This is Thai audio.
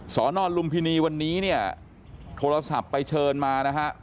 สอนอนลุ้มพินีวันนี้ทัวรสัตว์ไปเชิญมานะคะ